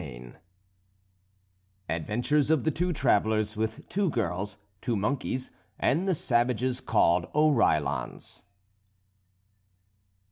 XVI ADVENTURES OF THE TWO TRAVELLERS, WITH TWO GIRLS, TWO MONKEYS, AND THE SAVAGES CALLED OREILLONS.